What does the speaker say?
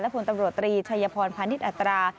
และพลตำรวจตรีชัยพรพนิษฐ์อัตรา